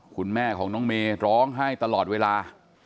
คุณแม่ของน้องเมย์ร้องไห้ตลอดเวลา